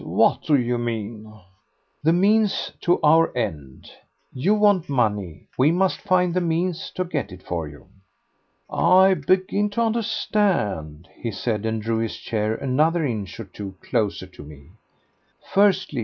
What do you mean?" "The means to our end. You want money; we must find the means to get it for you." "I begin to understand," he said, and drew his chair another inch or two closer to me. "Firstly, M.